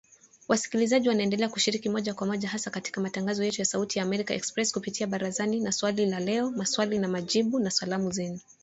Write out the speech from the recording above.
Wasikilizaji waendelea kushiriki moja kwa moja hasa katika matangazo yetu ya Sauti ya Amerika Express kupitia ‘Barazani’ na ‘Swali la Leo’, 'Maswali na Majibu', na 'Salamu Zenu'